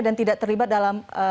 dan tidak terlibat dalam